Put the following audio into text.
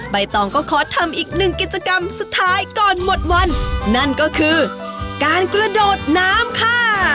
ใบตองก็ขอทำอีกหนึ่งกิจกรรมสุดท้ายก่อนหมดวันนั่นก็คือการกระโดดน้ำค่ะ